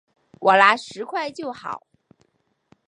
我拿十块就好